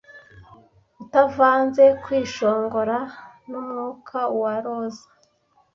utavanze kwishongora numwuka wa roza